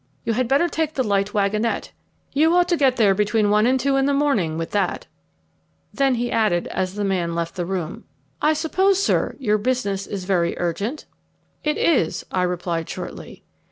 "You had better take the light wagonette. You ought to get there between one and two in the morning with that." Then he added, as the man left the room, "I suppose, sir, your business is very urgent?" "It is," I replied shortly.